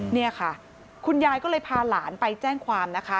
นี่ค่ะคุณยายก็เลยพาหลานไปแจ้งความนะคะ